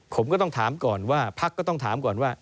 ผมก็ต้องถามก่อนว่าพักก็ต้องถามก่อนว่า